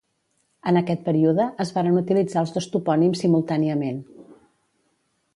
En aquest període, es varen utilitzar els dos topònims simultàniament.